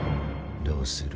どうする？